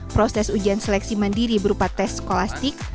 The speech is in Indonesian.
proses ujian seleksi mandiri berupa tes sekolastik